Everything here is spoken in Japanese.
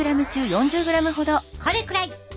これくらい！